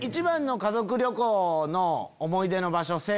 家族旅行の思い出の場所。